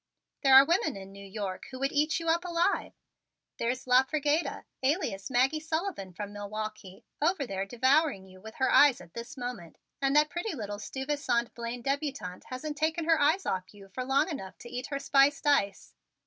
There are women in New York who would eat you up alive. There's La Frigeda, alias Maggie Sullivan from Milwaukee, over there devouring you with her eyes at this moment, and that pretty little Stuyvesant Blaine debutante hasn't taken her eyes off of you long enough to eat her spiced ice.